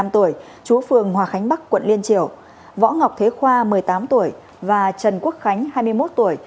một mươi năm tuổi chú phường hòa khánh bắc quận liên triều võ ngọc thế khoa một mươi tám tuổi và trần quốc khánh hai mươi một tuổi